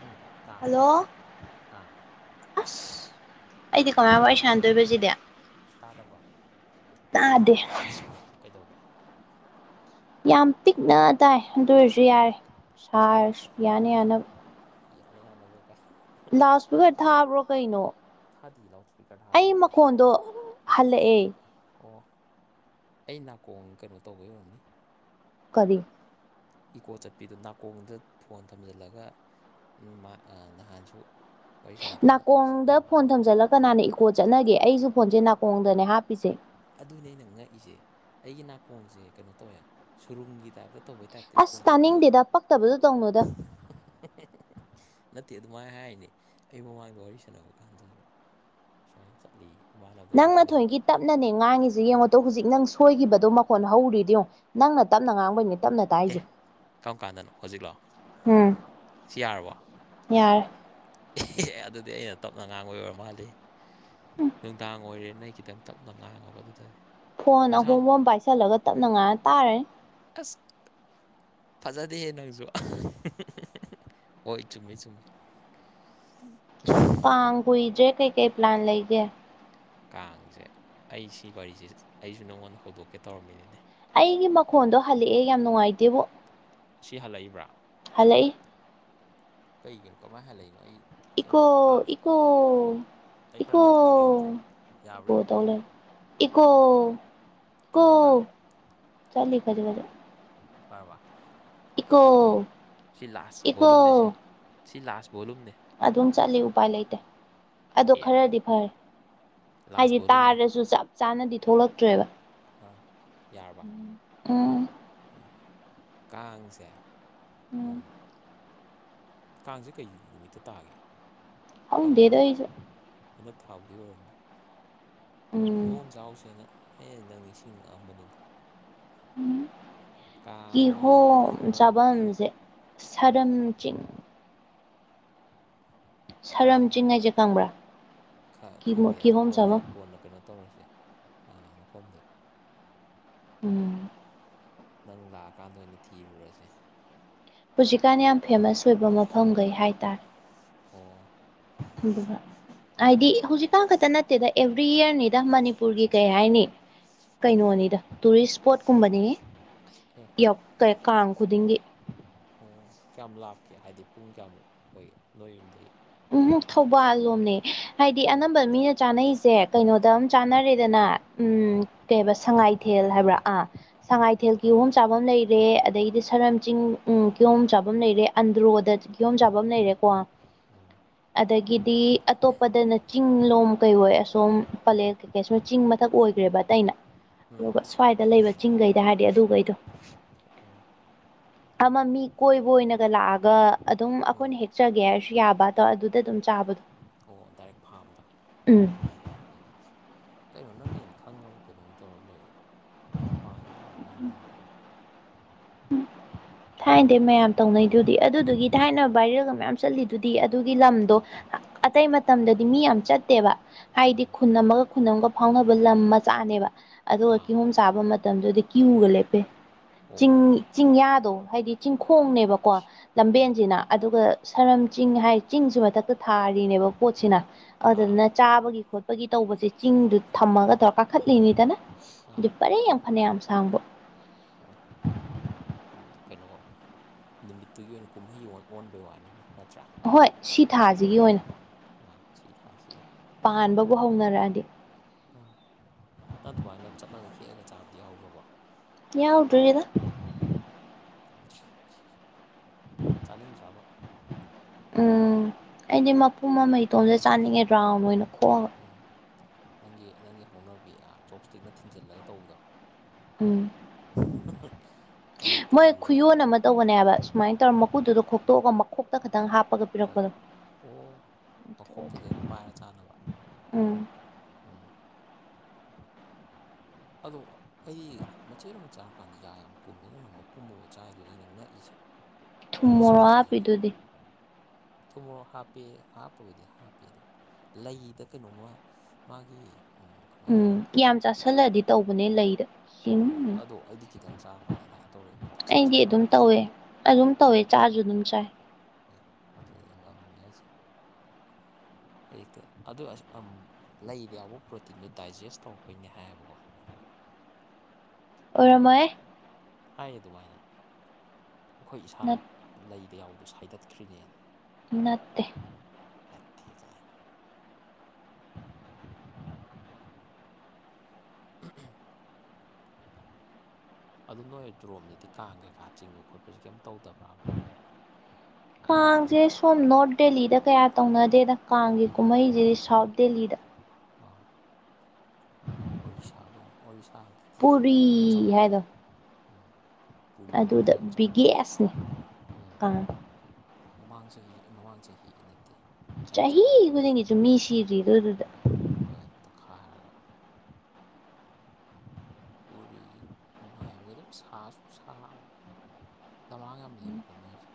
ꯎꯝ ꯇꯥꯔꯕ ꯍꯜꯂꯣ ꯑꯥ ꯑ꯭ꯁ ꯑꯩꯗꯤ ꯀꯃꯥꯏ ꯋꯥꯔꯤ ꯇꯥꯗꯕ꯭ꯔꯥ ꯁꯥꯟꯅꯗꯣꯏꯕꯁꯤꯗꯤ ꯇꯥꯗꯕ꯭ꯔꯣ ꯇꯥꯗꯦ ꯀꯩꯗꯧꯒꯦ ꯌꯥꯝ ꯄꯤꯛꯅ ꯇꯥꯏ ꯑꯗꯨ ꯑꯣꯏꯔꯁꯨ ꯌꯥꯔꯦ ꯁꯥꯔ ꯌꯥꯅ ꯌꯥꯅꯕ ꯌꯥꯅ ꯌꯥꯅꯕ ꯀꯥꯏ ꯂꯥꯎ ꯁ꯭ꯄꯤꯀ꯭ꯔ ꯊꯥꯕ꯭ꯔꯣ ꯀꯩꯅꯣ ꯊꯥꯗꯤ ꯂꯥꯎꯠ ꯏꯁꯄꯤꯀꯔ ꯊꯥꯕ ꯑꯩ ꯌꯥꯗꯦ ꯁꯤꯗ ꯃꯈꯣꯟꯗꯣ ꯍꯜꯂꯛꯑꯦ ꯑꯣ ꯑꯩ ꯅꯥꯀꯣꯡ ꯀꯩꯅꯣ ꯇꯧꯕꯩ ꯑꯣꯏꯔꯝꯅꯤ ꯀꯔꯤ ꯏꯀꯣ ꯆꯠꯄꯤꯗꯨ ꯅꯥꯀꯣꯡꯗ ꯐꯣꯟ ꯊꯝꯖꯤꯜꯂꯒ ꯎꯝ ꯃꯥ ꯅꯍꯥꯟꯁꯨ ꯋꯥꯔꯤ ꯁꯥꯟꯅꯀꯥꯟꯗ ꯅꯥꯀꯣꯡꯗ ꯐꯣꯟ ꯊꯝꯖꯤꯜꯂ ꯀꯅꯥꯅ ꯏꯀꯣ ꯆꯠꯅꯒꯦ ꯑꯩꯁꯨ ꯐꯣꯟꯁꯦ ꯅꯥꯀꯣꯡꯗꯅꯦ ꯍꯥꯞꯄꯤꯁꯦ ꯑꯗꯨꯅꯦ ꯑꯩꯅ ꯉꯛꯏꯁꯦ ꯑꯩꯒꯤ ꯅꯥꯀꯣꯡꯁꯦ ꯀꯩꯅꯣ ꯇꯧꯋꯦ ꯁꯨꯔꯨꯡꯒꯤ ꯇꯥꯏꯞꯇ ꯇꯧꯕꯩ ꯇꯥꯏꯞꯇ ꯏꯀꯣ ꯑꯁ ꯆꯠꯂꯤ ꯑ꯭ꯁ ꯇꯥꯅꯤꯡꯗꯦꯗ ꯇꯥꯅꯤꯡꯗꯦꯗ ꯄꯛꯇꯕꯗꯣ ꯇꯧꯅꯨꯗ ꯄꯛꯇꯕꯗꯨ ꯇꯧꯅꯨꯗ ꯅꯠꯇꯦ ꯑꯗꯨꯃꯥꯏꯅ ꯍꯥꯏꯅꯤ ꯑꯩ ꯃꯃꯥꯡꯗ ꯋꯥꯔꯤ ꯁꯥꯟꯅꯕ ꯀꯥꯟꯗꯁꯨ ꯁꯨꯃꯥꯏꯅ ꯆꯠꯂꯦꯌꯦ ꯏꯃꯥꯟꯅꯕꯗ ꯋꯥꯔꯤ ꯅꯪꯅ ꯁꯥꯟꯅꯕ ꯊꯣꯏꯒꯤ ꯑꯗꯨꯗ ꯇꯞꯅꯅꯦ ꯉꯥꯡꯉꯤꯁꯦ ꯌꯦꯡꯉꯣ ꯇꯣ ꯍꯧꯖꯤꯛ ꯅꯪ ꯁꯣꯏꯈꯤꯕꯗꯣ ꯃꯈꯣꯟ ꯍꯧꯔꯤꯗꯨ ꯌꯦꯡꯉꯣ ꯅꯪꯅ ꯇꯞꯅ ꯉꯥꯡꯕꯩꯅꯦ ꯇꯞꯅ ꯑꯦ ꯇꯥꯏꯁꯦ ꯀꯔꯝ ꯀꯥꯟꯗꯅꯣ ꯍꯧꯖꯤꯛ ꯂꯣ ꯍꯣꯏ ꯁꯤ ꯌꯥꯔꯕꯣ ꯌꯥꯔ ꯑꯗꯨꯗꯤ ꯑꯩꯅ ꯇꯞꯅ ꯉꯥꯡꯕꯩ ꯑꯣꯏꯔ ꯃꯥꯜꯂꯦꯍꯦ ꯅꯨꯡꯗꯥꯡ ꯑꯣꯏꯔꯦꯅ ꯑꯩ ꯈꯤꯇꯪ ꯇꯞꯅ ꯉꯥꯡꯉꯕ ꯑꯗꯨꯗꯅꯤ ꯐꯣꯟ ꯃꯁꯥ ꯑꯍꯣꯡꯕ ꯑꯃ ꯄꯥꯏꯁꯜꯂꯒ ꯇꯞꯅꯉꯥꯡꯉ ꯇꯥꯔꯅꯤ ꯑꯁ ꯐꯖꯗꯦꯍꯦ ꯅꯪꯁꯨ ꯍꯣꯏ ꯆꯨꯝꯃꯦ ꯆꯨꯝꯃꯦ ꯀꯥꯡ ꯀꯨꯏꯗ꯭ꯔꯦ ꯀꯩ ꯀꯩ ꯄ꯭ꯂꯥꯟ ꯂꯩꯒꯦ ꯀꯥꯡꯁꯦ ꯑꯩ ꯁꯤ ꯋꯥꯔꯤꯁꯦ ꯑꯩꯁꯨ ꯅꯪꯉꯣꯟꯗ ꯍꯧꯗꯣꯛꯀꯦ ꯇꯧꯔꯝꯃꯤꯅꯤꯅꯦ ꯑꯩꯒꯤ ꯃꯈꯣꯟꯗꯣ ꯍꯜꯂꯛꯑꯦ ꯌꯥꯝ ꯅꯨꯡꯉꯥꯏꯇꯦꯕꯨ ꯁꯤ ꯍꯜꯂꯛꯏꯕ꯭ꯔꯥ ꯍꯜꯂꯛꯏ ꯀꯩꯒꯤꯅꯣ ꯀꯃꯥꯏꯅ ꯍꯜꯂꯛꯏꯅꯣ ꯑꯩ ꯏꯀꯣ ꯀꯩꯝꯇ ꯊꯥꯁꯨ ꯏꯀꯣ ꯑꯩ ꯈꯔ ꯏꯀꯣ ꯂꯩꯊꯒꯦ ꯑꯗꯨꯗꯤ ꯌꯥꯕ꯭ꯔꯥ ꯏꯀꯣ ꯌꯦꯡꯉꯣ ꯇꯧꯂꯦꯔꯦ ꯏꯀꯣ ꯏꯀꯣ ꯆꯠꯂꯤꯕ꯭ꯔꯥ ꯆꯠꯂꯤ ꯈꯖꯤꯛ ꯈꯖꯤꯛ ꯐꯔꯕ ꯏꯀꯣ ꯁꯤ ꯂꯥꯁ ꯏꯀꯣ ꯕꯣꯂꯨꯝꯅꯦ ꯁꯤ ꯁꯤ ꯂꯥꯁ ꯕꯣꯂꯨꯝꯅꯦ ꯑꯗꯨꯝ ꯆꯠꯂꯤ ꯎꯄꯥꯏ ꯂꯩꯇꯦ ꯑꯗꯣ ꯑꯦ ꯈꯔꯗꯤ ꯐꯔꯦ ꯂꯥꯁ ꯍꯥꯏꯗꯤ ꯚꯣꯂꯨꯝꯅꯦ ꯇꯥꯔꯁꯨ ꯆꯞ ꯆꯥꯅꯗꯤ ꯊꯣꯛꯂꯛꯇ꯭ꯔꯦꯕ ꯑꯥ ꯌꯥꯔꯕ ꯎꯝ ꯑ ꯀꯥꯡꯁꯦ ꯎꯝ ꯀꯥꯡꯁꯦ ꯀꯩ ꯅꯨꯃꯤꯠꯇ ꯇꯥꯒꯦ ꯈꯪꯕ꯭ꯔꯣ ꯈꯪꯗꯦꯗ ꯑꯩꯁꯨ ꯍꯟꯗꯛ ꯊꯥꯕꯨꯗꯤ ꯑꯣꯏꯔꯝꯅꯤ ꯎꯝ ꯀꯤꯍꯣꯝ ꯆꯥꯎꯁꯦꯅ ꯑꯩꯅ ꯅꯪ ꯅꯤꯡꯁꯤꯡꯉꯛꯑꯝꯕꯅꯤꯅꯦ ꯎ ꯀꯥꯡ ꯍꯥꯏꯔꯒ ꯀꯤꯍꯣꯝ ꯀꯤꯍꯣꯝ ꯆꯥꯐꯝꯁꯦ ꯁꯔꯝ ꯆꯤꯡ ꯁꯔꯝ ꯆꯤꯡ ꯍꯥꯏꯁꯦ ꯈꯪꯕ꯭ꯔꯥ ꯈꯪ ꯈꯪꯗꯦ ꯑꯗꯨ ꯀꯤꯍꯣꯝ ꯀꯣꯟꯅ ꯆꯥꯐꯝ ꯀꯣꯟꯅ ꯀꯩꯅꯣ ꯇꯧꯔꯁꯦ ꯑꯥ ꯃꯐꯝꯗꯣ ꯎꯝ ꯅꯪ ꯂꯥꯛꯑꯀꯥꯟꯗ ꯑꯣꯏꯅ ꯊꯤꯔꯨꯔꯁꯦ ꯍꯧꯖꯤꯛꯀꯥꯟ ꯌꯥꯝ ꯐꯦꯃꯁ ꯑꯣꯏꯕ ꯃꯐꯝꯈꯩ ꯍꯥꯏꯇꯥꯔꯦ ꯑꯣ ꯑꯗꯨꯒ ꯍꯥꯏꯗꯤ ꯍꯧꯖꯤꯛꯀꯥꯟ ꯈꯛꯇ ꯅꯠꯇꯦꯗ ꯑꯦꯕ꯭ꯔꯤ ꯏꯌꯥꯔꯅꯤꯗ ꯃꯅꯤꯄꯨꯔꯒꯤ ꯀꯩ ꯍꯥꯏꯅꯤ ꯀꯩꯅꯣꯅꯤꯗ ꯇꯨꯔꯤꯁ ꯏꯁꯄꯣꯠꯀꯨꯝꯕꯅꯤ ꯑꯦ ꯀꯥꯡ ꯈꯨꯗꯤꯡꯒꯤ ꯑꯣ ꯀꯌꯥꯝ ꯂꯥꯛꯀꯦ ꯍꯥꯏꯗꯤ ꯄꯨꯡ ꯀꯌꯥꯃꯨꯛ ꯑꯣꯏꯒꯦ ꯅꯣꯏ ꯌꯨꯝꯝꯗꯒꯤ ꯎꯝ ꯊꯧꯕꯥꯜ ꯂꯣꯝꯅꯦ ꯍꯥꯏꯗꯤ ꯑꯣ ꯑꯅꯝꯕ ꯃꯤꯅ ꯆꯥꯅꯩꯁꯦ ꯀꯩꯅꯣꯗ ꯑꯃꯝ ꯆꯥꯅꯔꯦꯗꯅ ꯎ ꯎꯝ ꯀꯩꯕ ꯁꯉꯥꯏ ꯊꯦꯜ ꯍꯥꯏꯕ꯭ꯔꯥ ꯑꯥ ꯁꯉꯥꯏꯊꯦꯜꯒꯤ ꯎꯝ ꯀꯤꯍꯣꯝ ꯆꯥꯕꯝ ꯂꯩ ꯔꯦ ꯑꯗꯒꯤꯗꯤ ꯁꯔꯝ ꯆꯤꯡ ꯎꯝ ꯀꯤꯌꯣꯝ ꯆꯥꯐꯝ ꯂꯩꯔꯦ ꯑꯟꯗ꯭ꯔꯣꯗ ꯀꯤꯌꯣꯝ ꯆꯥꯐꯝ ꯂꯩꯔꯦꯀꯣ ꯎꯝ ꯑꯗꯒꯤꯗꯤ ꯑꯇꯣꯞꯄꯗꯅ ꯆꯤꯡ ꯂꯣꯝ ꯀꯩ ꯑꯣꯏ ꯑꯁꯣꯝ ꯄꯂꯦꯛ ꯆꯤꯡ ꯃꯊꯛ ꯑꯣꯏꯈ꯭ꯔꯦꯕ ꯑꯇꯩꯩꯅ ꯎꯝ ꯑꯗꯨꯒ ꯁ꯭ꯋꯥꯏꯗ ꯂꯩꯕ ꯆꯤꯡꯈꯩꯗ ꯍꯥꯏꯔꯗꯤ ꯑꯗꯨꯒꯩꯗꯣ ꯑꯣ ꯑꯣ ꯑꯃ ꯃꯤ ꯀꯣꯏꯕ ꯑꯣꯏꯅꯒ ꯂꯥꯛꯑꯒ ꯑꯗꯨꯝ ꯎꯝ ꯑꯩꯈꯣꯏꯅ ꯍꯦꯛ ꯆꯠꯆꯒꯦ ꯍꯥꯏꯔꯁꯨ ꯌꯥꯕ ꯑꯗꯣ ꯑꯗꯨꯗ ꯑꯗꯨꯝ ꯆꯥꯕꯗꯣ ꯑꯣ ꯗꯥꯏꯔꯦꯛ ꯐꯥꯝꯗ ꯎꯝ ꯑꯣ ꯀꯩꯅꯣ ꯅꯪꯅ ꯍꯦꯟꯅ ꯈꯪꯉꯕ ꯀꯩꯅꯣꯝ ꯇꯧꯔꯒ ꯂꯩꯔꯦ ꯃꯄꯥꯟꯗ ꯂꯩꯕ ꯅꯪꯅ ꯍꯦꯟꯅ [inaudible] ꯊꯥꯏꯅꯗꯩ ꯃꯌꯥꯝ ꯇꯧꯅꯩꯗꯨꯗꯤ ꯑꯗꯨꯗꯨꯒꯤ ꯊꯥꯏꯅ ꯚꯥꯏꯔꯦꯜꯒ ꯃꯌꯥꯝ ꯆꯠꯂꯤꯗꯨꯗꯤ ꯑꯗꯨꯒꯤ ꯂꯝꯗꯣ ꯑꯇꯩ ꯃꯇꯝꯗꯗꯤ ꯃꯤ ꯌꯥꯝ ꯆꯠꯇꯦꯕ ꯍꯥꯏꯗꯤ ꯎꯝ ꯈꯨꯟ ꯑꯃꯒ ꯈꯨꯟ ꯑꯃꯒ ꯐꯥꯎꯅꯕ ꯂꯝ ꯃꯆꯥꯅꯦꯕ ꯑꯗꯨꯒ ꯑꯥ ꯀꯤꯍꯣꯝ ꯆꯥꯕ ꯃꯇꯝꯗꯨꯗꯤ ꯀ꯭ꯌꯨꯒ ꯂꯦꯞꯄꯦ ꯆꯤꯡ ꯑꯣ ꯆꯤꯡꯌꯥꯗꯣ ꯍꯥꯏꯗꯤ ꯆꯤꯡꯈꯣꯡꯅꯦꯕꯀꯣ ꯏꯁ ꯂꯝꯕꯦꯟꯁꯤꯅ ꯑꯗꯨꯒ ꯁꯔꯝ ꯆꯤꯡ ꯍꯥꯏ ꯆꯤꯡꯁꯤ ꯃꯊꯛꯇ ꯊꯥꯔꯤꯅꯦꯕ ꯄꯣꯠꯁꯤꯅ ꯑꯥ ꯑꯥ ꯑꯗꯨꯗꯨꯅ ꯆꯥꯕꯒꯤ ꯈꯣꯠꯄꯒꯤ ꯇꯧꯕꯁꯤ ꯆꯤꯡꯗꯨ ꯊꯝꯃꯒ ꯇꯧꯔ ꯀꯥꯈꯠꯂꯤꯅꯤꯗꯅ ꯑꯗꯨꯏ ꯑꯥ ꯄꯔꯦꯡ ꯐꯅꯌꯥꯝ ꯁꯥꯡꯕ ꯑꯥ ꯎꯝ ꯀꯩꯅꯣ ꯅꯨꯃꯤꯠꯇꯨꯒꯤ ꯑꯣꯏꯅ ꯀꯨꯝꯍꯩ ꯑꯣꯜ ꯑꯣꯟꯕꯩ ꯋꯥꯅꯤꯅꯦ ꯅꯠꯇ꯭ꯔꯥ ꯍꯣꯏ ꯁꯤ ꯊꯥꯁꯤꯒꯤ ꯑꯣꯏꯅ ꯑꯥ ꯁꯤ ꯊꯥꯁꯤꯒꯤ ꯄꯥꯟꯕꯕꯨ ꯍꯧꯅꯔꯛꯑꯗꯤ ꯑꯥ ꯅꯪ ꯑꯗꯨꯃꯥꯏꯅ ꯆꯠꯂꯒ ꯍꯦꯛꯑꯒ ꯆꯥꯕꯗꯤ ꯌꯥꯎꯈ꯭ꯔꯕꯣ ꯌꯥꯎꯗ꯭ꯔꯤꯗ ꯌꯥꯎꯗ꯭ꯔꯤ ꯆꯥꯅꯤꯡꯗ꯭ꯔꯥꯕ ꯎꯝ ꯑꯩꯗꯤ ꯃꯄꯨꯝ ꯑꯃ ꯏꯇꯣꯝꯇ ꯆꯥꯅꯤꯡꯉꯦ ꯔꯥꯎꯟ ꯑꯣꯏꯅ ꯈꯣꯛꯑꯒ ꯎꯝ ꯅꯪꯒꯤ ꯅꯪꯒꯤ ꯍꯧꯅꯕꯤ ꯑꯥ ꯆꯣꯞꯁ꯭ꯇꯤꯛꯅ ꯊꯤꯟꯖꯜꯂꯒ ꯇꯧꯕꯗꯣ ꯎꯝ [unintelligible] ꯃꯤꯠꯇ ꯃꯣꯏ ꯎꯔꯦ ꯈꯨꯌꯣꯟ ꯑꯃ ꯇꯧꯕꯅꯦ ꯍꯥꯏꯕ ꯁꯨꯃꯥꯏꯅ ꯇꯧꯔ ꯃꯀꯨꯗꯨꯗꯣ ꯈꯣꯛꯇꯣꯛꯑꯒ ꯃꯛ ꯈꯣꯛꯇ ꯈꯇꯪ ꯍꯥꯞꯄꯒ ꯍꯣꯏ ꯄꯤꯔꯛꯄꯗꯣ ꯑꯣ ꯃꯈꯣꯛꯇꯨꯗ ꯑꯣꯏꯅ ꯄꯥꯏꯔ ꯆꯥꯅꯕ ꯎꯝ ꯎꯝ ꯑꯗꯣ ꯑꯩꯗꯤ ꯃꯆꯦꯠ ꯑꯃ ꯆꯥꯔꯀꯥꯟꯗ ꯌꯥ ꯌꯥꯝ ꯀꯨꯝꯃꯦ ꯅꯪꯅ ꯃꯄꯨꯝ ꯑꯃ ꯆꯥꯏꯗꯨꯅꯦ ꯑꯩꯅ ꯉꯛꯏꯁꯦ ꯊꯨꯝ ꯑꯗꯨꯁꯨ ꯆꯥꯛ ꯃꯣꯔꯣꯛ ꯆꯥꯗ꯭ꯔꯤꯉꯩꯗ ꯍꯥꯞꯄꯤꯗꯨꯗꯤ ꯊꯨꯝ ꯃꯣꯔꯣꯛ ꯍꯥꯞꯄꯦ ꯍꯥꯞꯄꯕꯨꯗꯤ ꯍꯥꯞꯄꯦ ꯑꯗꯨ ꯂꯩꯗ ꯀꯩꯅꯣꯝꯃ ꯃꯥꯒꯤ ꯎꯝ ꯎꯝ ꯀꯌꯥꯝ ꯆꯥꯥꯁꯜꯂꯛꯗꯤ ꯇꯧꯕꯅꯦ ꯂꯩꯗ ꯍꯣꯏ ꯑꯗꯣ ꯑꯩꯗꯤ ꯈꯤꯇꯪ ꯆꯥꯔꯀꯥꯟꯗ ꯑꯗꯥꯏꯅ ꯇꯧꯔꯛꯑꯦꯕ ꯆꯤꯡ ꯆꯤꯡ ꯑꯩꯗꯤ ꯑꯗꯨꯝ ꯂꯥꯎꯕꯗꯣ ꯇꯧꯋꯦ ꯑꯗꯨꯝ ꯇꯧꯋꯦ ꯆꯥꯁꯨ ꯑꯗꯨꯝ ꯆꯥꯏ ꯑꯦ ꯑꯗꯨꯅꯦ ꯉꯝꯃꯦ ꯍꯥꯏꯁꯦ [inaudible] ꯍꯦꯛꯇ ꯑꯗꯨ ꯑꯁ ꯑꯝ ꯂꯩꯗ ꯌꯥꯎꯕ ꯄ꯭ꯔꯣꯇꯤꯟꯗꯣ ꯗꯥꯏꯖꯦꯁ ꯇꯧꯔꯛꯄꯩꯅꯦ ꯍꯥꯏꯌꯦꯕꯀꯣ ꯑꯣꯏꯔꯝꯃꯣꯏꯍꯦ ꯍꯥꯏꯌꯦ ꯑꯗꯨꯃꯥꯏꯅ ꯑꯈꯣꯏ ꯏꯁꯥ ꯂꯩꯗ ꯌꯥꯎꯕꯗꯣ ꯁꯥꯏꯗꯠꯈ꯭ꯔꯤꯅꯦꯅ ꯅꯠꯇꯦ ꯅꯠꯊꯦ ꯀꯥꯏꯅ [inaudible] ꯑꯗꯨ ꯅꯣꯏ ꯑꯗꯨꯔꯣꯝꯗꯗꯤ ꯀꯥꯡ ꯀꯩꯀꯥ ꯆꯤꯡꯕ ꯈꯣꯠꯄꯁꯤ ꯀꯩꯝ ꯇꯧꯗꯕ꯭ꯔꯥꯕ ꯀꯥꯡꯁꯦ ꯁꯣꯝ ꯅꯣꯔꯠ ꯗꯦꯜꯂꯤꯗ ꯀꯌꯥ ꯇꯧꯅꯗꯦꯗ ꯀꯥꯡꯒꯤ ꯀꯨꯝꯍꯩꯁꯤꯗꯤ ꯁꯥꯎꯠ ꯗꯦꯜꯂꯤꯗ ꯑꯥ ꯑꯣꯔꯤꯁꯥꯒꯨꯝ ꯑꯣꯔꯤꯁꯥꯗ ꯄꯨꯔꯤ ꯍꯥꯏꯗꯣ ꯎꯝ ꯄꯨꯔꯤꯔꯣꯝꯗ ꯑꯗꯨꯗ ꯌꯥꯝ ꯆꯥꯎꯅ ꯇꯧꯋꯦ ꯕꯤꯒꯦꯁꯅꯤ ꯎꯝ ꯃꯃꯥꯡ ꯆꯍꯤ ꯑꯦ ꯃꯃꯥꯡ ꯆꯍꯤ ꯅꯠꯇꯦ ꯑꯩꯅ ꯆꯍꯤ ꯆꯠꯄ ꯃꯇꯝꯗ ꯁꯨꯝ ꯈꯨꯗꯤꯡꯒꯤꯁꯨ ꯃꯤ ꯀꯥꯟꯗꯅꯤ ꯁꯤꯔꯤꯕ ꯗꯨꯗꯥ ꯍꯣꯏ ꯇꯛꯈꯥꯏꯔꯒ ꯄꯨꯔꯤꯖꯦ ꯅꯨꯡꯉꯥꯏꯕꯅꯦ ꯑꯗꯨꯝ ꯁꯥꯁꯨ ꯁꯥꯕ ꯂꯝꯃꯥꯡ ꯌꯥꯝ ꯂꯩꯕꯀꯣ ꯃꯣꯏꯁꯦ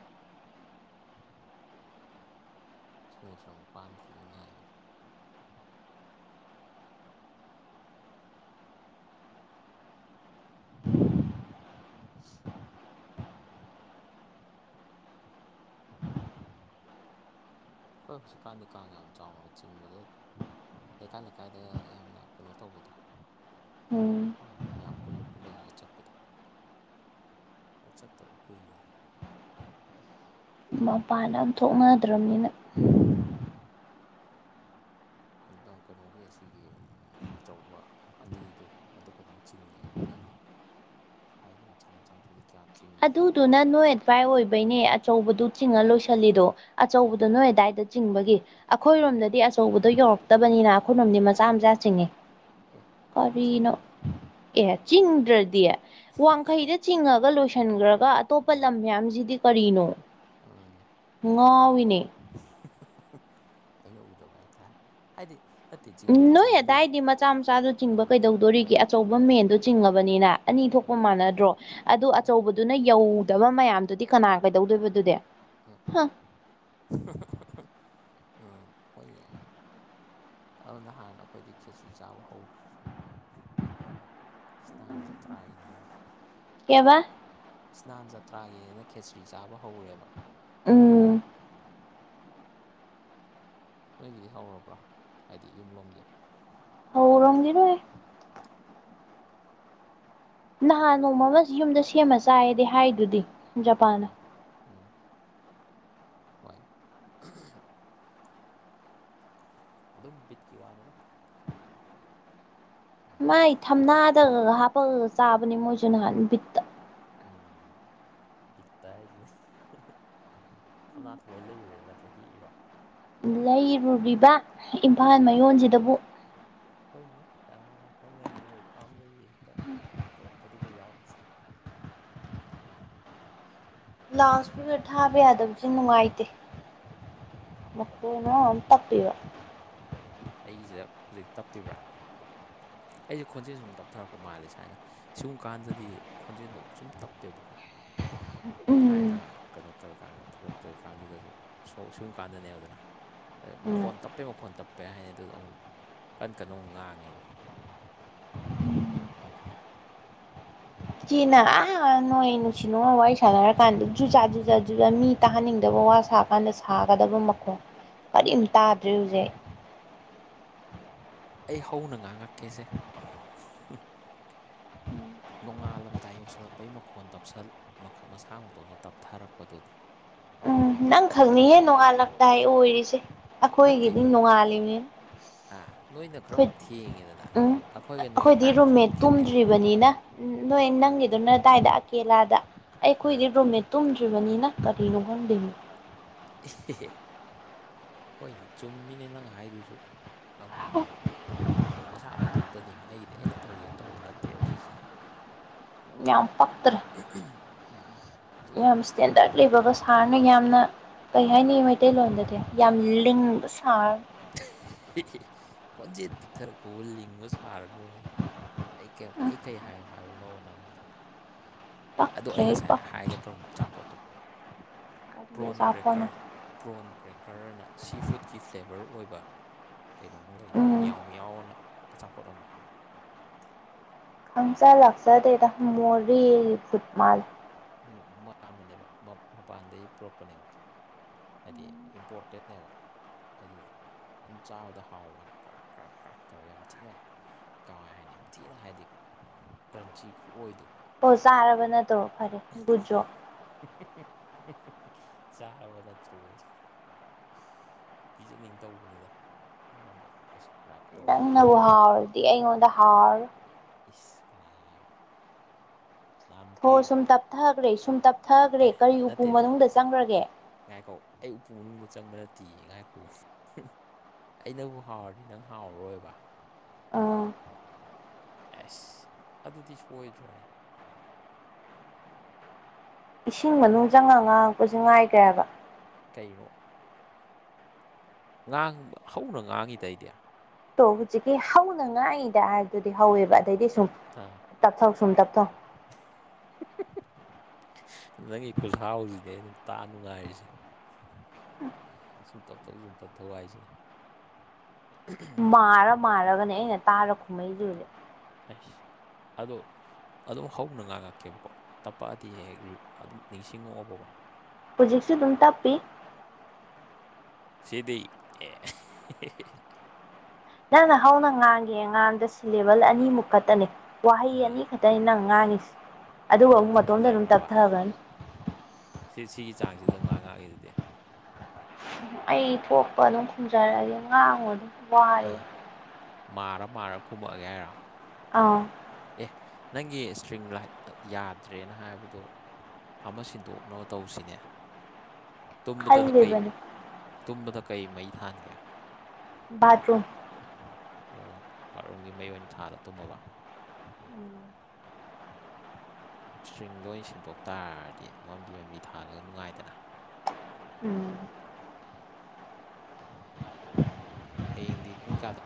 ꯁꯃꯨꯗ꯭ꯔ ꯃꯄꯥꯟꯗꯗꯤ ꯅꯨꯡꯉꯥꯏꯕꯅꯦ ꯑ ꯈꯣꯏ ꯍꯨꯖꯤꯛꯀꯥꯟꯗꯤ ꯀꯥꯡ ꯌꯥꯝ ꯆꯥꯎꯅ ꯆꯤꯡꯕꯗꯣ ꯂꯩꯀꯥꯏ ꯂꯩꯀꯥꯏꯗꯒ ꯌꯥꯝꯅ ꯀꯩꯅꯣ ꯇꯧꯕꯗꯣ ꯎꯝ ꯑ ꯃꯌꯥꯝ ꯄꯨꯜꯂ ꯄꯨꯜꯂꯒꯒ ꯆꯠꯄꯗꯣ ꯍꯣꯏ ꯆꯠꯇꯕ ꯀꯨꯏꯔꯦꯗ ꯃꯄꯥꯟ ꯍꯥꯏꯗꯤ ꯑꯝ ꯊꯣꯛꯅꯗ꯭ꯔꯝꯅꯤꯅ ꯑꯧ ꯍꯟꯗꯛ ꯀꯩꯅꯣꯒꯤ ꯑꯁꯤꯒꯤ ꯎꯝ ꯑꯆꯧꯕ ꯑꯅꯤꯗꯣ ꯑꯗꯨ ꯈꯠꯇꯪ ꯆꯤꯡꯉꯦ ꯑꯗꯨꯗꯩꯗꯤ [inaudible] ꯊꯥꯏꯒꯤ ꯃꯆꯥ ꯃꯆꯥꯗꯨꯗꯤ ꯀꯌꯥ ꯆꯤꯡꯗ꯭ꯔꯦꯕ ꯑꯗꯨꯗꯨꯅ ꯅꯣꯏ ꯑꯗꯥꯏ ꯑꯣꯏꯕꯩꯅꯦ ꯑꯆꯧꯕꯗꯨ ꯆꯤꯡꯉ ꯂꯣꯏꯁꯤꯜꯂꯤꯗꯣ ꯎꯝ ꯑꯆꯧꯕꯗꯨ ꯅꯣꯏ ꯑꯗꯥꯏꯗ ꯆꯤꯡꯕꯒꯤ ꯎꯝ ꯑꯈꯣꯏꯔꯣꯝꯗꯗꯤ ꯑꯆꯧꯕꯗꯣ ꯌꯧꯔꯛꯇꯕꯅꯤꯅ ꯑꯩꯈꯣꯏꯔꯣꯝꯒꯤ ꯃꯆꯥ ꯃꯆꯥ ꯆꯤꯡꯉꯦ꯫ ꯑꯦ ꯑꯗꯨꯝ ꯀꯔꯤꯅꯣ ꯆꯤꯡꯕ꯭ꯔꯣ ꯑꯦ ꯆꯤꯡꯗ꯭ꯔꯗꯤ ꯋꯥꯡꯈꯩꯗ ꯆꯤꯡꯉꯒ ꯎꯝ ꯎꯝ ꯂꯣꯏꯁꯟꯈ꯭ꯔꯒ ꯎꯝ ꯑꯇꯣꯞꯄ ꯎꯝ ꯂꯝ ꯃꯌꯥꯝꯖꯤꯗꯤ ꯀꯔꯤꯅꯣ ꯎꯝ ꯉꯥꯎꯋꯤꯅꯦ ꯑꯩꯅ ꯎꯗꯕ ꯍꯥꯏꯇꯥꯔꯦ ꯍꯥꯏꯗꯤ ꯅꯠꯇꯦ ꯆꯤꯡꯕꯨꯗꯤ ꯎꯝ ꯅꯣꯏ ꯆꯤꯡꯉꯦ ꯑꯗꯨ ꯑꯣꯏꯔꯁꯨ ꯑꯗꯥꯏꯗꯤ ꯃꯆꯥ ꯃꯆꯥꯗꯨ ꯆꯤꯡꯕ ꯀꯩꯗꯧꯗꯣꯔꯤꯒꯦ ꯑꯆꯧꯕ ꯃꯦꯟꯗꯣ ꯆꯤꯡꯉꯕꯅꯤꯅ ꯑꯅꯤ ꯑꯥ ꯊꯣꯛꯄ ꯃꯥꯟꯅꯗ꯭ꯔꯣ ꯑꯗꯨ ꯎꯝ ꯑꯆꯧꯕ ꯗꯨꯅ ꯌꯧꯗꯕ ꯃꯌꯥꯝꯗꯨꯗꯤ ꯀꯅꯥ ꯀꯩꯗꯧꯗꯣꯏꯕꯗꯨꯗꯤ ꯎꯝ ꯎꯝ ꯍꯣꯏꯅꯦ ꯑꯗ ꯅꯍꯥꯟꯅ ꯈꯣꯏꯗꯤ ꯈꯦꯆ꯭ꯔꯤ ꯆꯥꯕ ꯍꯧꯈ꯭ꯔꯦ ꯏꯁ ꯅꯍꯥꯟ ꯖꯇ꯭ꯔꯥꯒꯤꯅꯦꯅ ꯀꯩꯕ ꯏꯁ ꯅꯍꯥꯟ ꯖꯇ꯭ꯔꯥꯒꯤꯅꯦꯅ ꯈꯦꯆ꯭ꯔꯤ ꯆꯥꯕ ꯍꯧꯔꯦꯕ ꯑꯣ ꯅꯣꯏꯒꯤꯗꯤ ꯍꯧꯔꯕ꯭ꯔꯥ ꯍꯥꯏꯗꯤ ꯌꯨꯝꯂꯣꯝꯒꯤ ꯍꯧꯔꯝꯒꯤꯔꯣꯏ ꯎꯝ ꯅꯍꯥꯟ ꯅꯣꯡꯃꯃ ꯌꯨꯝꯗ ꯁꯦꯝꯃ ꯆꯥꯏꯌꯦꯗꯤ ꯍꯥꯏꯗꯨꯗꯤ ꯎꯝ ꯖꯄꯥꯟꯅ ꯎꯝ ꯎꯝ ꯍꯣꯏ ꯑꯗꯨꯝ ꯕꯤꯠꯀꯤ ꯋꯥꯅꯤꯗ ꯍꯥꯏꯗꯤ ꯃꯣꯏ ꯑꯗꯨꯗꯨꯝ ꯊꯝꯅꯗ ꯍꯥꯞꯄꯒ ꯆꯥꯕꯅꯤ ꯃꯣꯏꯁꯨ ꯅꯍꯥꯟ ꯕꯤꯠꯇ ꯎꯝ ꯕꯤꯠꯇ ꯍꯥꯏꯖꯤꯅꯤ ꯊꯝꯅꯥ ꯊꯑꯣꯏꯅ ꯂꯩꯔꯨꯔꯤꯔꯥ ꯅꯠꯇ꯭ꯔ ꯍꯦꯛ ꯏꯔꯣ ꯂꯩꯔꯨꯔꯤꯕ ꯏꯝꯐꯥꯜ ꯑꯥ ꯃꯌꯣꯟꯖꯤꯗꯕꯨ ꯍꯣꯏꯅꯦ ꯀꯅꯥꯅ ꯈꯪꯒꯅꯤ ꯅꯣꯏ ꯐꯥꯔꯝꯗꯒꯤ ꯍꯦꯛꯇ ꯄꯣꯔꯛꯄꯗꯨꯗ ꯌꯥꯎꯔꯛ ꯆꯥꯠꯂ ꯒꯥꯏ ꯂꯥꯎꯠ ꯏꯁꯄꯤꯛꯀꯔ ꯊꯥꯕ ꯌꯥꯗꯕꯁꯦ ꯅꯨꯡꯉꯥꯏꯇꯦ ꯑꯥ ꯑꯥ ꯅꯈꯣꯟꯅ ꯃꯔꯣꯝ ꯇꯞꯄꯤꯕ ꯑꯩꯒꯤꯖꯦ ꯍꯧꯖꯤꯛ ꯇꯞꯄꯤꯕ꯭ꯔꯥ ꯑꯩꯁꯦ ꯈꯣꯟꯖꯦꯜ ꯁꯨꯝ ꯇꯞꯊꯔꯛꯄ ꯃꯥꯜꯂꯦ ꯁꯥꯏꯅ ꯁꯨꯝ ꯀꯥꯟꯗꯗꯤ ꯈꯣꯟꯖꯦꯜꯗꯣ ꯁꯨꯝ ꯇꯞꯄꯦꯕꯀꯣ ꯊꯥꯏꯅ ꯎꯝ ꯀꯩꯅꯣ ꯇꯧꯔꯤꯀꯥꯟꯗ ꯊꯕꯛ ꯇꯧꯔꯤꯀꯥꯟꯗꯨꯗꯁꯨ ꯁꯣꯛ ꯁꯨꯝꯀꯥꯟꯗꯅꯦꯕ ꯗꯅꯥ ꯑꯗꯩ ꯎꯝ ꯃꯈꯣꯟ ꯇꯞꯄꯦ ꯃꯈꯣꯟ ꯇꯞꯄꯦ ꯍꯥꯏꯅꯤ ꯑꯗꯨꯗꯣ ꯑꯃꯨꯛ ꯀꯟ ꯀꯟꯅ ꯑꯃꯨꯛ ꯉꯥꯡꯉꯦꯕꯀꯣ ꯑꯗꯨꯒꯤ ꯏꯆꯦꯅ ꯑꯥ ꯅꯣꯏ ꯅꯨꯡꯁꯤ ꯅꯨꯡꯉꯣꯟ ꯋꯥꯔꯤ ꯁꯥꯟꯅꯔꯀꯥꯟꯗ ꯖꯨꯖꯥ ꯖꯨꯖꯥ ꯖꯨꯖꯥ ꯃꯤ ꯇꯥꯍꯟꯅꯤꯡꯗꯕ ꯋꯥ ꯁꯥꯕ ꯀꯥꯟꯅ ꯁꯥꯒꯗꯕ ꯃꯈꯣꯡ ꯑꯥ ꯀꯔꯤꯝ ꯑꯥ ꯇꯥꯗ꯭ꯔꯦ ꯍꯨꯖꯤꯛ ꯑꯩ ꯍꯧꯅ ꯉꯥꯡꯉꯛꯀꯦꯁꯦ ꯎꯝ ꯅꯣꯡꯉꯥꯜꯂꯝꯗꯥꯏ ꯌꯧꯁꯜꯂꯛꯄꯩ ꯃꯈꯣꯟ ꯇꯞꯁꯜ ꯃꯈꯜ ꯃꯁꯥ ꯃꯇꯣꯟꯇ ꯇꯞꯊꯔꯛꯄꯗꯨꯅꯦ ꯎꯝ ꯅꯪ ꯈꯛꯅꯤꯍꯦ ꯅꯣꯡꯉꯥꯜꯂꯝꯗꯥꯏ ꯑꯣꯏꯔꯤꯁꯦ ꯑꯈꯣꯏꯒꯤꯗꯤ ꯅꯠꯇꯦꯃꯤ ꯅꯣꯡꯉꯥꯜꯂꯤꯕꯅꯤ ꯑꯥ ꯅꯣꯏꯅ ꯑꯩꯈꯣꯏ ꯈꯔꯃꯨꯛ ꯊꯦꯡꯉꯦꯗꯅ ꯎꯝ ꯑꯈꯣꯏꯒ ꯅꯣꯏꯒ ꯇꯥꯏꯝ ꯖꯣꯟ ꯈꯦꯠꯅꯩꯗꯅꯥ ꯎꯝ ꯅꯣꯏ ꯅꯪꯒꯤꯗꯨꯅ ꯇꯥꯏꯗ ꯀꯦꯂꯥꯗ ꯑꯥ ꯑꯩꯈꯣꯏꯗꯤ ꯔꯨꯝꯃꯦꯠ ꯇꯨꯝꯗ꯭ꯔꯤꯕꯅꯤꯅ ꯀꯔꯤꯅꯣ ꯈꯪꯗꯦꯃꯤ ꯑꯦ ꯍꯣꯏꯅꯦ ꯆꯨꯝꯃꯤꯅꯦ ꯅꯪ ꯍꯥꯏꯗꯨꯁꯨ ꯑꯃꯨꯛ ꯃꯁꯥ ꯃꯇꯣꯝꯇꯅꯦꯃꯤ ꯑꯩꯒꯤꯗꯤ ꯑꯩꯅ ꯇꯧꯒꯦꯅ ꯇꯧꯕ ꯅꯠꯇꯦꯕ ꯁꯤꯁꯦ ꯌꯥꯝ ꯄꯛꯇ꯭ꯔꯦ ꯎꯝ ꯎꯝ ꯌꯥꯝ ꯏꯁꯇꯦꯟꯗꯔꯠ ꯂꯩꯕꯒ ꯁꯥꯉꯩ ꯌꯥꯝꯅ ꯀꯩ ꯍꯥꯏꯅꯤ ꯃꯩꯇꯩꯂꯣꯟꯗꯗꯤ ꯌꯥꯝ ꯂꯤꯡꯕ ꯁꯥꯔ ꯈꯣꯟꯖꯦꯜ ꯄꯤꯛꯊꯔꯛꯄꯕꯣ ꯂꯤꯡꯕ ꯁꯥꯔꯅꯣ ꯑꯌꯦ ꯑꯩ ꯀꯦꯝ ꯑꯩ ꯀꯩ ꯍꯥꯏꯌꯣ ꯍꯥꯏꯕꯅꯣꯕ ꯅꯪꯉꯣꯟꯗ ꯑꯗꯣ ꯄꯛꯇ꯭ꯔꯦ ꯑꯩ ꯉꯁꯥꯏ ꯄꯛ ꯍꯥꯏꯒꯦ ꯇꯧꯔꯝꯕ ꯑꯆꯥꯄꯣꯠꯇꯣ ꯀꯔꯤ ꯄ꯭ꯔꯣꯟ ꯑꯆꯥꯄꯣꯠꯅꯣ ꯀ꯭ꯔꯦꯛꯀꯔ ꯄ꯭ꯔꯣꯟ ꯀ꯭ꯔꯦꯛꯀꯔ ꯑꯅ ꯁꯤ ꯐꯨꯗꯀꯤ ꯐ꯭ꯂꯦꯕꯔ ꯑꯣꯏꯕ ꯀꯩꯅꯣꯝꯃ ꯂꯩꯅꯦ ꯎꯝ ꯃꯤꯌꯥꯎ ꯃꯤꯌꯥꯎ ꯑꯅ ꯑꯆꯥꯄꯣꯠ ꯑꯃ ꯈꯪꯖ ꯂꯥꯛꯆꯗꯦꯗꯥ ꯃꯣꯔꯦ ꯐꯨꯗ ꯃꯥꯜꯂꯤ ꯎꯝ ꯃꯥꯟꯕꯅꯦꯕ ꯃ ꯃꯄꯥꯟꯗꯩ ꯄꯨꯔꯛꯄꯅꯦꯕ ꯍꯥꯏꯗꯤ ꯏꯝꯄꯣꯔꯇꯦꯠꯅꯦꯕ ꯑꯗꯨꯗꯣ ꯑꯗꯨꯝ ꯆꯥꯕꯗ ꯍꯥꯎꯕ꯭ꯋꯥꯅꯤ ꯀ꯭ꯔꯥꯛ ꯀ꯭ꯔꯥꯛ ꯀ꯭ꯔꯥꯛ ꯇꯧꯔ ꯌꯥꯝ ꯊꯤꯅ ꯀꯃꯥꯏ ꯍꯥꯏꯅꯤ ꯌꯥꯝ ꯊꯤꯅ ꯍꯥꯏꯗꯤ ꯀ꯭ꯔꯟꯆꯤ ꯈꯨꯑꯣꯏꯗꯣ ꯑꯣ ꯆꯥꯔꯕ ꯅꯠꯇ꯭ꯔꯣ ꯐꯔꯦ ꯒꯨꯠ ꯖꯣꯞ ꯆꯥꯔꯕ ꯅꯠꯇ꯭ꯔꯣ ꯑꯌꯦ ꯄꯤꯖꯅꯤꯡ ꯇꯧꯕꯅꯤꯗ ꯅꯪꯉꯣꯟꯗ ꯗꯤꯁꯀ꯭ꯔꯥꯏꯞ ꯇꯧꯕ ꯍꯥꯏꯇꯥꯔꯦ ꯅꯕꯨ ꯍꯥꯥꯎꯔꯗꯤ ꯑꯩꯉꯣꯟꯗ ꯍꯥꯥꯎꯔꯔꯣꯏ ꯏꯁ ꯀꯅꯥ ꯍꯥꯏꯕ ꯍꯣ ꯅꯍꯥꯟꯃꯨꯛꯀꯤ ꯁꯨꯝ ꯇꯞꯊꯈ꯭ꯔꯦ ꯁꯨꯝ ꯑꯦ ꯇꯞꯊꯈ꯭ꯔꯦ ꯀꯔꯤ ꯎꯄꯨ ꯅꯠꯇꯦꯅꯦ ꯃꯅꯨꯡꯗ ꯆꯪꯒ꯭ꯔꯒꯦ ꯉꯥꯏꯈꯣ ꯑꯩ ꯎꯄꯨ ꯃꯅꯨꯡꯗ ꯆꯪꯕ ꯅꯠꯇꯤꯌꯦ ꯉꯥꯏꯈꯣ ꯑꯩꯅꯕꯨ ꯍꯥꯎꯔꯗꯤ ꯅꯪ ꯍꯥꯎꯔꯔꯣꯏꯕ ꯑꯥ ꯑꯁ ꯑꯗꯨꯗꯤ ꯁꯣꯏꯗ꯭ꯔꯣꯅꯦ ꯏꯁꯤꯡ ꯃꯅꯨꯡ ꯆꯪꯉ ꯉꯥꯡꯉꯛꯄꯁꯤ ꯉꯥꯏꯒ꯭ꯔꯦ ꯍꯥꯏꯕ ꯀꯩꯅꯣ ꯉꯥꯡꯕ ꯍꯧꯅ ꯉꯥꯡꯉꯤꯗ ꯑꯩꯗꯤ ꯇꯣ ꯍꯨꯖꯤꯛꯇꯤ ꯍꯧꯅ ꯉꯥꯡꯏꯗꯥ ꯍꯥꯏꯕꯗꯨꯗꯤ ꯍꯧꯋꯦꯕ ꯑꯗꯩꯗꯤ ꯁꯨꯝ ꯑ ꯇꯞꯊꯧ ꯁꯨꯝ ꯇꯞꯊꯧ꯫ ꯅꯪꯒꯤ ꯈꯨꯠꯁꯥꯎꯁꯤꯅꯦ ꯑꯩꯅ ꯇꯥ ꯅꯨꯡꯉꯥꯏꯔꯤꯁꯦ꯫ ꯁꯨꯝ ꯇꯞꯊꯧ ꯁꯨꯝ ꯇꯞꯊꯧ ꯍꯥꯏꯁꯤꯅꯦ꯫ ꯃꯥꯔ ꯃꯥꯔꯒꯅꯦ ꯑꯩꯅ ꯇꯥꯔ ꯈꯨꯝꯃꯛꯏꯁꯦ ꯍꯧꯖꯤꯛ꯫ ꯑꯦꯁ ꯑꯗꯣ__ ꯑꯗꯨꯝ ꯍꯧꯅ ꯉꯥꯡꯉꯛꯀꯦꯕꯀꯣ ꯇꯞꯄꯛꯑꯗꯤ ꯍꯦꯛ ꯍꯦꯛ ꯑꯗꯨꯝ ꯅꯤꯡꯁꯤꯡꯉꯛꯑꯣꯕꯀꯣ꯫ ꯍꯨꯖꯤꯛꯁꯨ ꯑꯗꯨꯝ ꯇꯞꯄꯤ꯫ ꯁꯤꯗꯤ ꯑꯦ___ ꯅꯪꯅ ꯍꯧꯅ ꯉꯥꯡꯒꯦ ꯉꯥꯡꯗ ꯁꯤꯂꯦꯕꯜ ꯑꯅꯤꯃꯨꯛ ꯈꯛꯇꯅꯤ ꯋꯥꯍꯩ ꯑꯥ ꯑꯅꯤꯈꯛ___ ꯇꯩ ꯅꯪ ꯉꯥꯡꯉꯤꯁꯤ ꯑꯗꯨꯒ ꯑꯗꯩ ꯁꯨꯝ ꯑꯃꯨꯛ ꯃꯇꯣꯝꯗ ꯑꯗꯨꯝ ꯇꯞꯊꯖꯔꯛꯈ꯭ꯔꯕ ꯇꯞꯊꯈ꯭ꯔꯅꯤ ꯁꯤ ꯁꯤꯒꯤ ꯆꯥꯡꯁꯤꯗꯗꯨꯝ ꯉꯥꯡꯉꯛꯑꯒꯦ ꯑꯗꯨꯗꯤ ꯑꯩ ꯊꯣꯛꯄ ꯑꯗꯨꯝ ꯈꯨꯝꯖꯔꯛꯑꯒꯦ ꯉꯥꯡꯉꯨ ꯑꯗꯨꯝ꯫ ꯑ ꯃꯥꯔ ꯃꯥꯔ ꯈꯨꯝꯃꯛꯑꯒꯦ ꯍꯥꯏꯔꯣ꯫ ꯑꯥ ꯑꯦ ꯅꯪꯒꯤ ꯁ꯭ꯇ꯭ꯔꯤꯡ ꯂꯥꯏꯠꯇ ꯌꯥꯗ꯭ꯔꯦꯅ ꯍꯥꯏꯕꯗꯣ꯫ ꯑꯃ ꯁꯤꯟꯗꯣꯛꯅꯕ ꯇꯧꯁꯤꯅꯦ ꯇꯨꯝꯕꯗꯗ ꯀꯩ ꯈꯜꯂꯤꯕꯅꯤ ꯇꯨꯝꯕꯗ ꯀꯩ ꯃꯩ ꯊꯥꯟꯒꯦ꯫ ꯕꯥꯠꯔꯨꯝ ꯑꯣ ꯕꯥꯠꯔꯨꯝꯒꯤ ꯃꯩ ꯑꯣꯏꯅ ꯊꯥꯜꯂꯒ ꯇꯨꯝꯃꯕ ꯁ꯭ꯇ꯭꯭ꯔꯤꯡ ꯂꯣ ꯑꯣꯏ ꯁꯤꯟꯗꯣꯛ__ ꯇꯥꯔꯗꯤ ꯃꯝꯂꯤ ꯃꯝꯂꯤ ꯊꯥꯜꯂꯒ ꯅꯨꯡꯉꯥꯏꯗꯅ꯫ ꯎꯝ ꯍꯌꯦꯡꯗꯤ ꯄꯨꯡ ꯀꯌꯥꯗ__